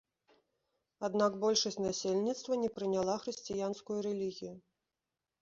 Аднак большасць насельніцтва не прыняла хрысціянскую рэлігію.